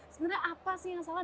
sebenarnya apa sih yang salah